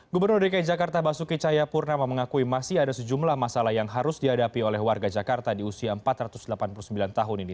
gubernur dki jakarta basuki cayapurnama mengakui masih ada sejumlah masalah yang harus dihadapi oleh warga jakarta di usia empat ratus delapan puluh sembilan tahun ini